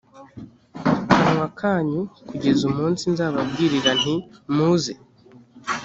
kanwa kanyu kugeza umunsi nzababwirira nti muvuze